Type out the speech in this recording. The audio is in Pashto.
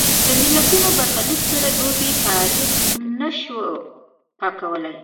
د ملتونو برخلیک سره لوبې تاریخ نه شو پاکولای.